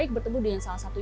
kita bisa berpengalaman